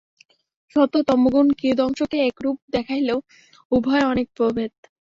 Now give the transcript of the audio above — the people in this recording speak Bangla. সত্ত্ব ও তমোগুণ কিয়দংশে একরূপ দেখাইলেও উভয়ে অনেক প্রভেদ।